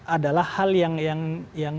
adalah hal yang